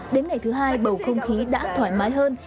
đến ngày thứ hai bầu không khí đã thoải mái hơn